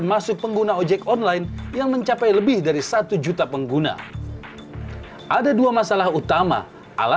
maupun jenis transportasi baru dengan tarif yang tergolong lebih mahal